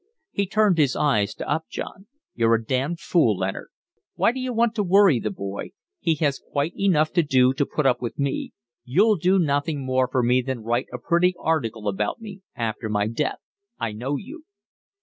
He turned his eyes to Upjohn. "You're a damned fool, Leonard. Why d'you want to worry the boy? He has quite enough to do to put up with me. You'll do nothing more for me than write a pretty article about me after my death. I know you."